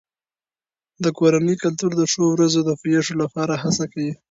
د کورنۍ کلتور د ښو ورځو د پیښو لپاره هڅه کوي.